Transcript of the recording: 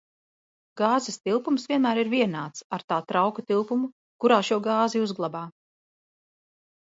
Gāzes tilpums vienmēr ir vienāds ar tā trauka tilpumu, kurā šo gāzi uzglabā.